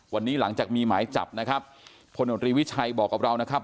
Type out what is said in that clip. วันนี้หลังจากมีหมายจับนะครับพลโนตรีวิชัยบอกกับเรานะครับ